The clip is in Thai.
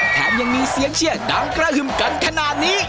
แถมยังมีเสียงเชียร์ดังกระหึ่มกันขนาดนี้